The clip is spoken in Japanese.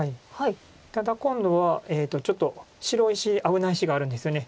ただ今度はちょっと白石危ない石があるんですよね。